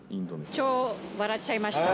超笑っちゃいました。